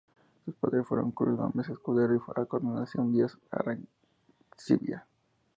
Sus padres fueron Cruz Gómez Escudero y Encarnación Díaz Arancibia.